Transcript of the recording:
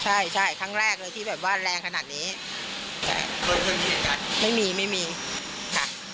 ใช่ใช่ครั้งแรกเลยที่แบบว่าแรงขนาดนี้ไม่มีไม่มีค่ะ